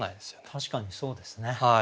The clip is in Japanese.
確かにそうですね。